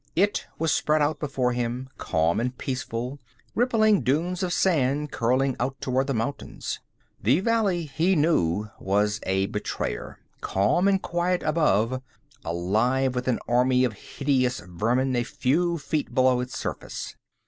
It was spread out before him, calm and peaceful, rippling dunes of sand curling out toward the mountains. The valley, he knew, was a betrayer calm and quiet above, alive with an army of hideous vermin a few feet below its surface.